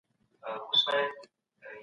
ایا بې واکه سیاست سونې خبره ده؟